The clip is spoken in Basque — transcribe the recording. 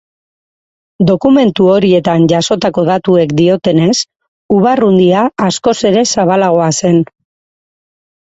Dokumentu horietan jasotako datuek diotenez, Ubarrundia askoz ere zabalagoa zen.